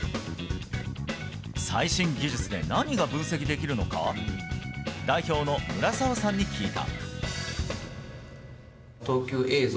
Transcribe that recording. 最新技術で何が分析できるのか代表の村澤さんに聞いた。